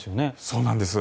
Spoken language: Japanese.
そうなんです。